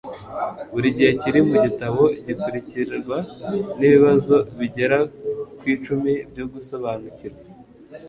Buri gice kiri mu gitabo gikurikirwa nibibazo bigera ku icumi byo gusobanukirwa